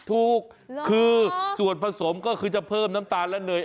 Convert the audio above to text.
ถูกคือส่วนผสมก็คือจะเพิ่มน้ำตาลและเนย